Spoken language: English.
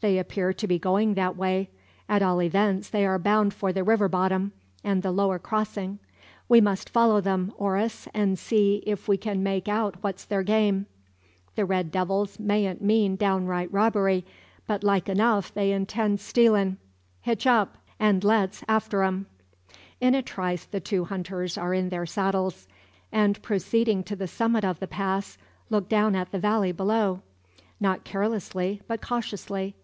They appear to be going that way at all events they are bound for the river bottom, and the lower crossing. We must follow them, Oris, an' see if we can make out what's their game. The red devils mayn't mean downright robbery, but like enough they intend stealin'. Hitch up, and let's after em'." In a trice the two hunters are in their saddles; and proceeding to the summit of the pass, look down at the valley below. Not carelessly, but cautiously.